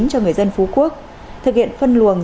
cho người dân phú quốc thực hiện phân luồng